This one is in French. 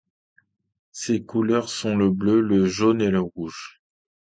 Ses couleurs sont le bleu, le jaune et le rouge.